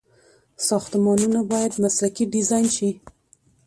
ساختمانونه باید مسلکي ډيزاين شي.